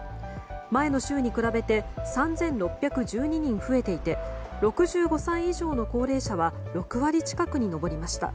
前の週に比べて３６１２人増えていて６５歳以上の高齢者は６割近くに上りました。